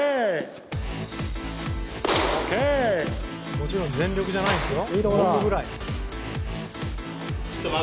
もちろん全力じゃないですよ。